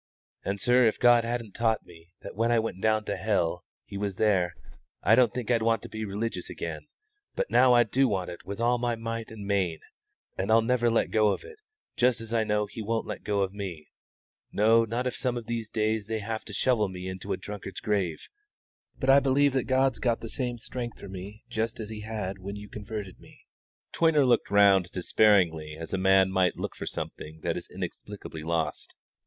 And, sir, if God hadn't taught me that when I went down to hell He was there, I don't think I'd want to be religious again; but now I do want it with all my might and main, and I'll never let go of it, just as I know He won't let go of me no, not if some of these days they have to shovel me into a drunkard's grave; but I believe that God's got the same strength for me just as He had when you converted me." Toyner looked round him despairingly as a man might look for something that is inexplicably lost.